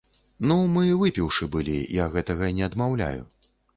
Ну, мы выпіўшы былі, я гэтага не адмаўляю.